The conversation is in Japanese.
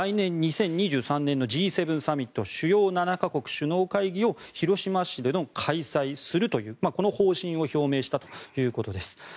来年２０２３年のＧ７サミット主要７か国首脳会議を広島市で開催するとこの方針を表明したということです。